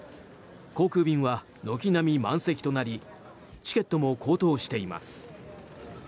航空便は軒並み満席となりチケットも高騰しています。